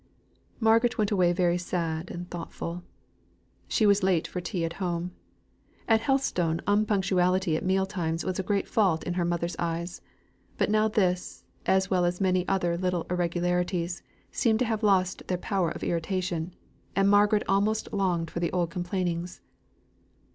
Margaret went away very sad and thoughtful. She was late for tea at home. At Helstone unpunctuality at meal times was a great fault in her mother's eyes; but now this, as well as many other little irregularities, seemed to have lost their power of irritation, and Margaret almost longed for the old complainings.